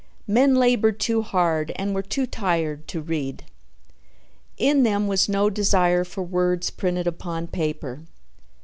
Men labored too hard and were too tired to read. In them was no desire for words printed upon paper.